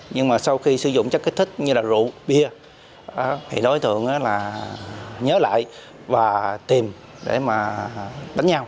nhưng mà sau khi sử dụng chất kích thích như là rượu bia thì đối tượng là nhớ lại và tìm để mà đánh nhau